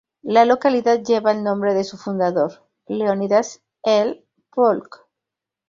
La localidad lleva el nombre de su fundador, Leonidas L. Polk.